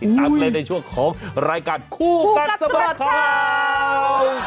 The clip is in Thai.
ติดตามเลยในช่วงของรายการคู่กับเสมอข่าว